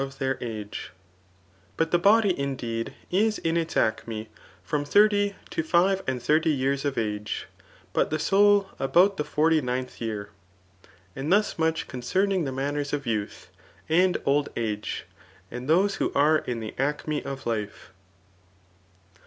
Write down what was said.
lAgcfUT of thar age*] But the body^ indeed^ is in itd acme from thirty to five and thirty years of age, but the 8oul about the forty ninth year. And thus much cbn > cemiiig the manners of youth^ and old age, and those who are in the acme of life.